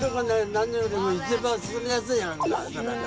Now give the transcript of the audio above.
何よりも一番住みやすい村だ。